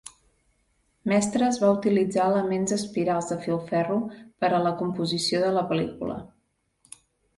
Mestres va utilitzar elements espirals de filferro per a la composició de la pel·lícula.